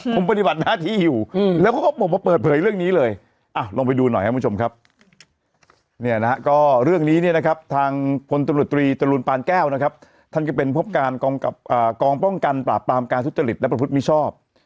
ผมปฏิบัติหน้าที่อยู่แล้วเขาบอกเพิ่ง